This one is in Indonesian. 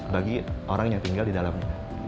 bagi orang yang tinggal di dalamnya